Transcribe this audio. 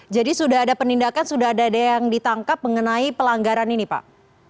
jadi sudah ada penindakan sudah ada yang ditangkap mengenai pelanggaran ini pak